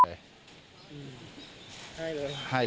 ให้เลยครับให้เลย